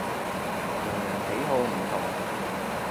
人人喜好唔同